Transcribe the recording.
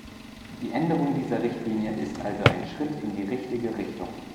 Die Änderung dieser Richtlinie ist also ein Schritt in die richtige Richtung!